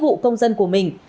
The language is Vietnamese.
nghĩa vụ công dân của mình